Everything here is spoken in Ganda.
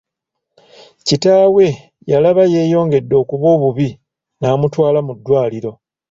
Kitaawe yalaba yeeyongedde okuba obubi n'amutwala mu ddwaliro.